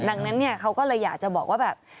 ดังนั้นเขาก็เลยอยากจะบอกว่า